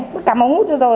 bác cắm ống hút cho rồi